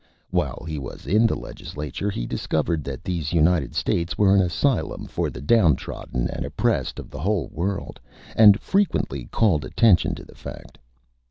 While he was in the Legislature he discovered that these United States were an Asylum for the Down Trodden and oppressed of the Whole World, and frequently called Attention to the Fact.